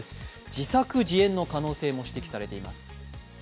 自作自演の可能性も指摘されています。